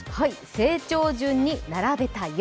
成長順に並べたよ。